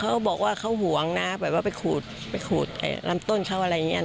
เขาบอกว่าเขาห่วงนะแบบว่าไปขูดไปขูดลำต้นเขาอะไรอย่างนี้